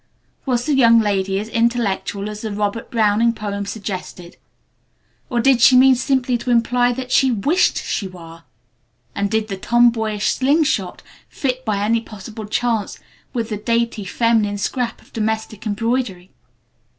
Was the young lady as intellectual as the Robert Browning poems suggested, or did she mean simply to imply that she wished she were? And did the tom boyish sling shot fit by any possible chance with the dainty, feminine scrap of domestic embroidery?